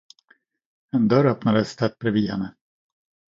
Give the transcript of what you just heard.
En dörr öppnades tätt bredvid henne.